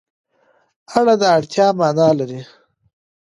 اړه د ارتباط معنا لري.